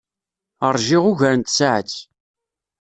Ṛjiɣ ugar n tsaɛet.